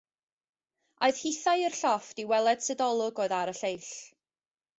Aeth hithau i'r llofft i weled sut olwg oedd ar y lleill.